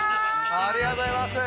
ありがとうございます。